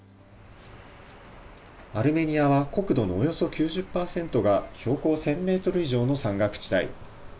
アルメニアは国土のおよそ９０％が標高１０００メートル以上の山岳地帯。